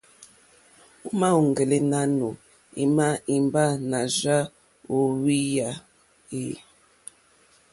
O ma ɔ̀ŋgɛlɛ nanù ema imba nà rza o hwiya e?